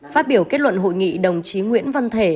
phát biểu kết luận hội nghị đồng chí nguyễn văn thể